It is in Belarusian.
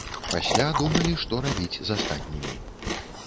Пасля думалі, што рабіць з астатнімі.